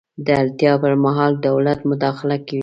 د اړتیا پر مهال دولت مداخله کوي.